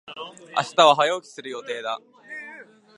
明日は早起きする予定だ。